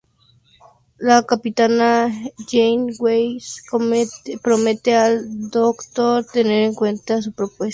La capitana Janeway promete al Doctor tener en cuenta su propuesta.